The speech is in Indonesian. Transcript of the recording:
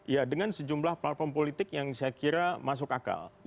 ya dengan sejumlah platform politik yang saya kira masuk akal